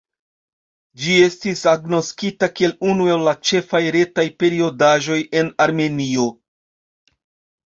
Ĝi estis agnoskita kiel unu el la ĉefaj retaj periodaĵoj en Armenio.